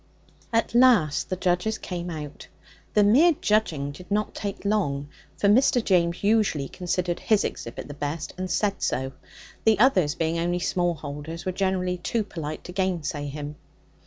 At last the judges came out. The mere judging did not take long, for Mr. James usually considered his exhibit the best, and said so; the others, being only small holders, were generally too polite to gainsay him.